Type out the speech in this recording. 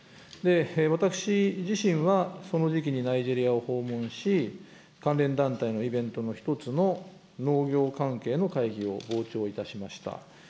私自身は、その時期にナイジェリアを訪問し、関連団体のイベントの一つの農業関連の会議を傍聴いたしました。